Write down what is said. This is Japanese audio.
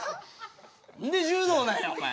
何で柔道なんやお前。